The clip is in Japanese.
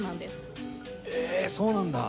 へえそうなんだ。